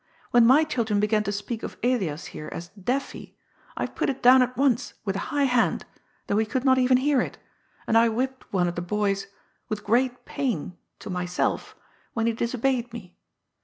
When my children began to speak of Elias here as * Deafy,' I put it down at once with a high hand, though he could not even hear it, and I whipped one of the boys, with great pain (to myself), when he dis obeyed me.